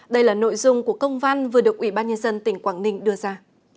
đây là nội dung của công văn vừa được ủy ban nhân dân tỉnh quảng ninh đưa ra